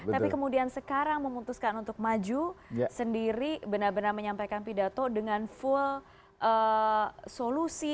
tapi kemudian sekarang memutuskan untuk maju sendiri benar benar menyampaikan pidato dengan full solusi